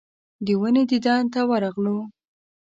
د ونې دیدن ته ورغلو.